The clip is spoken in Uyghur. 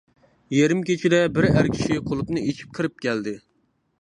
يېرىم كېچىدە بىر ئەر كىشى قۇلۇپنى ئېچىپ كىرىپ كەلدى.